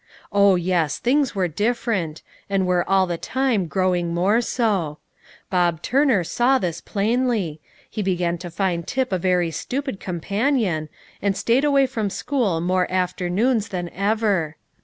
Oh yes! things were different, and were all the time growing more so. Bob Turner saw this plainly: he began to find Tip a very stupid companion, and stayed away from school more afternoons than ever.